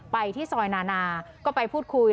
ไปที่ซอยนานาก็ไปพูดคุย